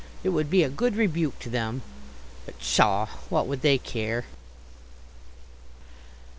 It would be a good rebuke to them. But, pshaw! what would they care?